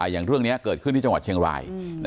อย่างเรื่องนี้เกิดขึ้นที่จังหวัดเชียงราย